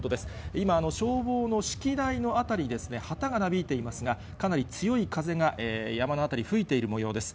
今、消防の指揮台の辺りですね、旗がなびいていますが、かなり強い風が、山の辺り、吹いているもようです。